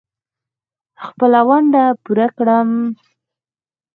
خپله ونډه پوره کړم.